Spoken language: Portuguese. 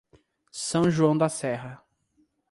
São João da Serra